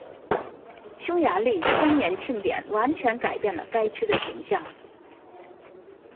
匈牙利千年庆典完全改变了该区的形象。